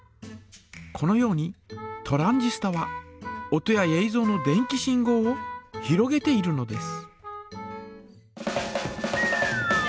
このようにトランジスタは音やえいぞうの電気信号をひろげているのです。